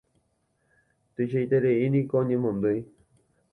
Tuichaiterei niko añemondýi.